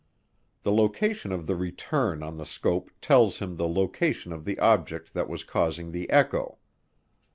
The location of the return on the scope tells him the location of the object that was causing the echo.